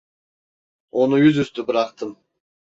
Onu yüzüstü bıraktım.